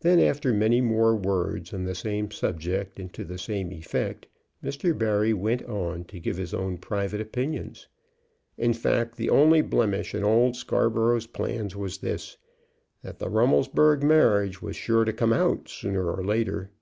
Then, after many more words on the same subject and to the same effect, Mr. Barry went on to give his own private opinions: "In fact, the only blemish in old Scarborough's plans was this, that the Rummelsburg marriage was sure to come out sooner or later."